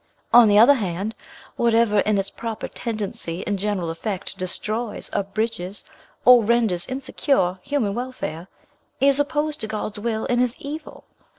On the other hand, whatever in its proper tendency and general effect destroys, abridges, or renders insecure, human welfare, is opposed to God's will, and is evil.